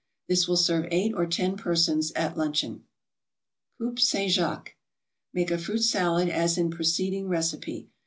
This will serve eight or ten persons at luncheon. COUPE ST. JACQUE Make a fruit salad as in preceding recipe.